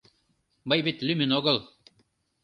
Мый вет лӱмын огыл.